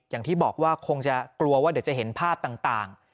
อย่างที่บอกว่าคงจะกลัวว่าเดี๋ยวจะเห็นภาพต่าง